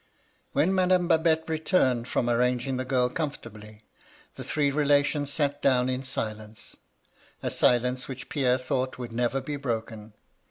MY LADY LUDLOW. 175 ^^ When Madame Babette returned from arranging the girl comfortably, the three relations sat down in silence ; a silence which Pierre thought would never be broken.